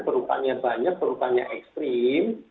perlukaannya banyak perlukaannya ekstrim